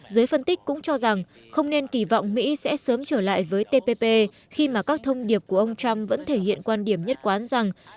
giới phân tích cũng cho rằng không nên kỳ vọng mỹ sẽ sớm trở lại với tpp khi mà các thông điệp của ông trump vẫn thể hiện quan điểm nhất quán rằng